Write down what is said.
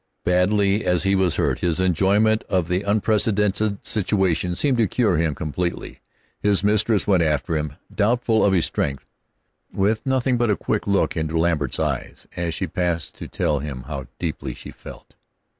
Badly as he was hurt, his enjoyment of this unprecedented situation seemed to cure him completely. His mistress went after him, doubtful of his strength, with nothing but a quick look into Lambert's eyes as she passed to tell him how deeply she felt.